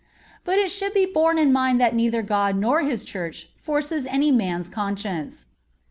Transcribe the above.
But it should be borne in mind that neither God nor His Church forces any man's conscience.